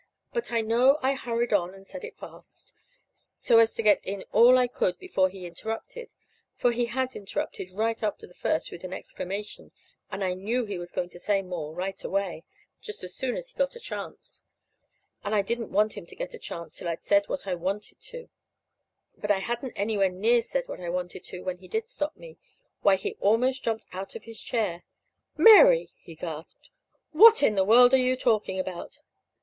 But I know I hurried on and said it fast, so as to get in all I could before he interrupted; for he had interrupted right at the first with an exclamation; and I knew he was going to say more right away, just as soon as he got a chance. And I didn't want him to get a chance till I'd said what I wanted to. But I hadn't anywhere near said what I wanted to when he did stop me. Why, he almost jumped out of his chair. "Mary!" he gasped. "What in the world are you talking about?"